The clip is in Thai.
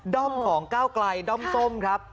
้อมของก้าวไกลด้อมส้มครับ